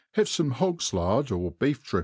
Have fome hog's lard, or beef drip